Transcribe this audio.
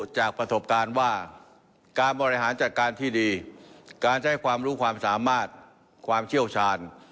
จากประสบการณ์ว่าการบริหารจัดการที่ดีการใช้ความรู้ความสามารถความเชี่ยวชาญ